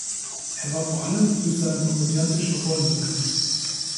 Er war vor allem durch seine komödiantischen Rollen bekannt.